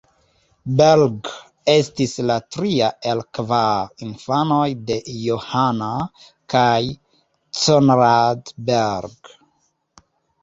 Berg estis la tria el kvar infanoj de Johanna kaj Conrad Berg.